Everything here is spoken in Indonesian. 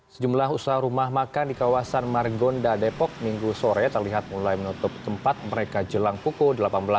sejumlah usaha rumah makan di kawasan margonda depok minggu sore terlihat mulai menutup tempat mereka jelang pukul delapan belas